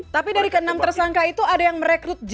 tapi dari keenam tersangka itu ada yang merekrut j